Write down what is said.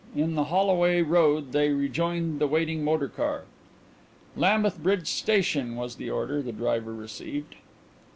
In the Holloway Road they rejoined the waiting motor car. "Lambeth Bridge Station," was the order the driver received.